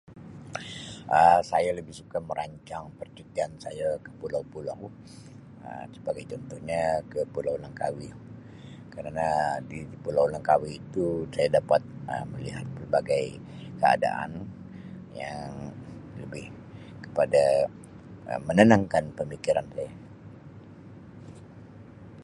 Um Saya lebih suka merancang percutian saya ke pulau-pulau Um sebagai contohnya ke Pulau Langkawi kerana di Pulau Langkawi itu saya dapat Um melihat pelbagai keadaan yang lebih kepada Um menenangkan pemikian saya.